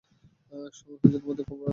সময় হয়েছে তোমাদের কবরে নৃত্য করার!